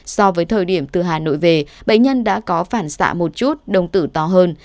so với thời điểm từ hà nội về bệnh nhân đã có phản xạ một chút đồng tử to hơn